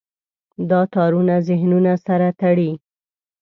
دا تارونه ذهنونه سره تړي.